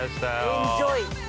◆エンジョイ